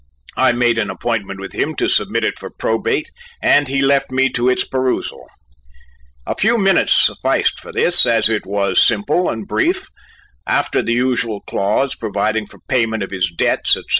I made an appointment with him to submit it for probate, and he left me to its perusal. A few minutes sufficed for this, as it was simple and brief. After the usual clause, providing for payment of his debts, etc.